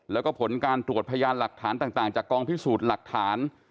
แล้วก็ผลการตรวจพยานหลักฐานต่างจากกองพิสูจน์หลักฐาน